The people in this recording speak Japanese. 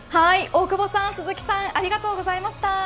大久保さん、鈴木さんありがとうございました。